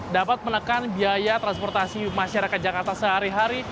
dapat menekan biaya transportasi masyarakat jakarta sehari hari